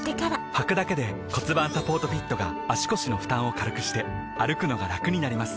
はくだけで骨盤サポートフィットが腰の負担を軽くして歩くのがラクになります